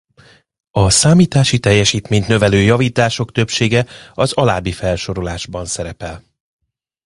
A számítási teljesítményt növelő javítások többsége az alábbi felsorolásban szerepel.